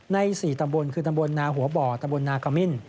ใน๔ตำบลนาหัวบ่อตำบลนากามิ่น